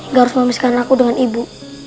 gak harus memisahkan aku dengan ibu